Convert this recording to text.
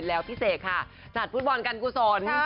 แล้วพี่เสกค่ะจัดฟุตบอลการกุศล